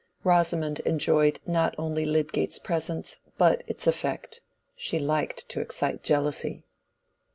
Rosamond enjoyed not only Lydgate's presence but its effect: she liked to excite jealousy.